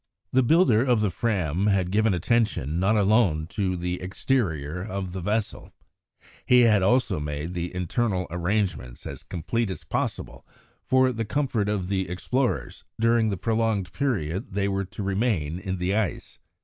The builder of the Fram had given attention not alone to the exterior of the vessel; he had also made the internal arrangements as complete as possible for the comfort of the explorers during the prolonged period they were to remain in the ice.